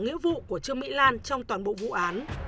nghĩa vụ của trương mỹ lan trong toàn bộ vụ án